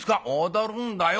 「踊るんだよ。